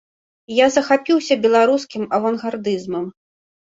Я захапіўся беларускім авангардызмам.